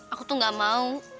aku tuh gak mau